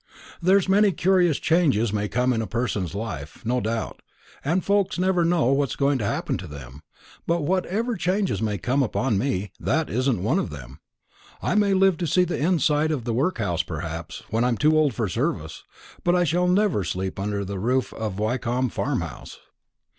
There's many curious changes may come in a person's life, no doubt, and folks never know what's going to happen to them; but whatever changes may come upon me, that isn't one of them. I may live to see the inside of the workhouse, perhaps, when I'm too old for service; but I shall never sleep under the roof of Wyncomb Farmhouse."